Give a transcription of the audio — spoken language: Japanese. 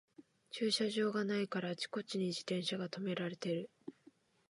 駐輪場がないからあちこちに自転車がとめられてる